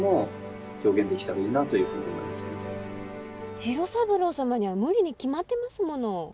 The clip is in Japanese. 次郎三郎様には無理に決まってますもの。